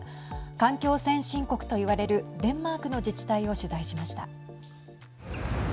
環境先進国といわれるデンマークの自治体を取材しました。